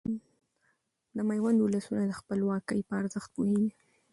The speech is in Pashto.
د ميوند ولسونه د خپلواکۍ په ارزښت پوهيږي .